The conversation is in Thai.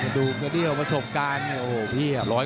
ดูกันดีกว่าประสบการณ์โอ้โหพี่ครับ